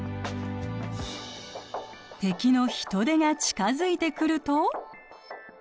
敵のヒトデが近づいてくると。